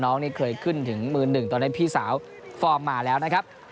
เคยขึ้นถึงมือหนึ่งตอนนั้นพี่สาวฟอร์มมาแล้วนะครับ